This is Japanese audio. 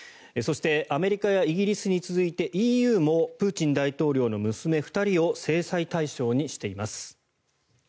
そしてアメリカやイギリスに続いてＥＵもプーチン大統領の娘２人を制裁対象にしています。